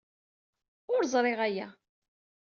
Ur ẓriɣ aya.